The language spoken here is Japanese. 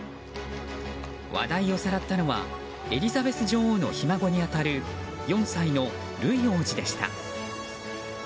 話題をさらったのはエリザベス女王のひ孫に当たる４歳のルイ王子でした。